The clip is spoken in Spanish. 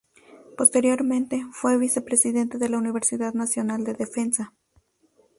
Posteriormente fue vicepresidente de la Universidad Nacional de Defensa.